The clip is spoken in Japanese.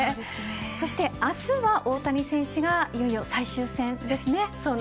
そして明日は大谷選手がいよいよ最終戦ですね。